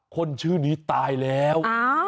คนชื่อนี้ตายแล้ว